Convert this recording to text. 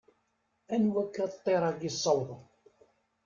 Anwa akka ṭṭir-agi ssawḍen?